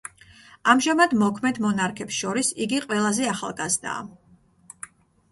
ამჟამად მოქმედ მონარქებს შორის იგი ყველაზე ახალგაზრდაა.